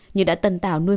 nhưng đã tần tảo nuôi